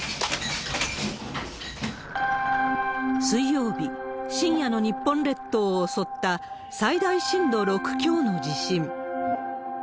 水曜日、深夜の日本列島を襲った、最大震度６強の地震。